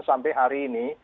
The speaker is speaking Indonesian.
sampai hari ini